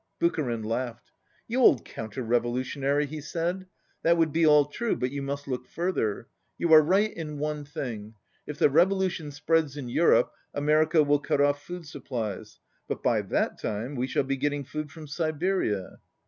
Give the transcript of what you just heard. Bucharin laughed. "You old counter revolu tionary !" he said. "That would be all true, but you must look further. You are right in one thing. If the revolution spreads in Europe, Amer ica will cut off food supplies. But by that time we shall be getting food from Siberia."